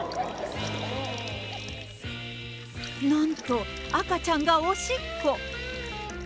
なんと、赤ちゃんがおしっこ。